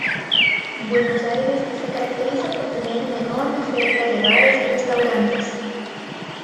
Buenos Aires se caracteriza por tener una enorme oferta de bares y restaurantes.